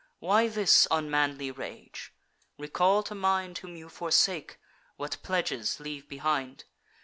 Why this unmanly rage? Recall to mind Whom you forsake, what pledges leave behind.